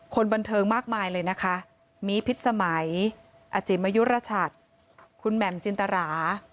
คนบันเทิงมากมายเลยนะคะมีพิษสมัยอจิมยุรชัดคุณแหม่มจินตรา